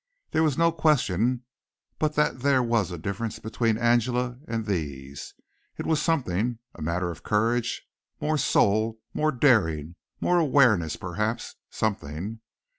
There was no question but that there was a difference between Angela and these. It was something a matter of courage more soul, more daring, more awareness, perhaps something.